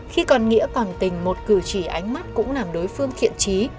khi còn nghĩa còn tình một cử chỉ ánh mắt cũng làm đối phương thiện trí